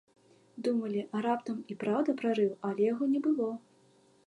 Думалі, а раптам і, праўда, прарыў, але яго не было.